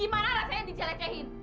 gimana rasanya dijelekehin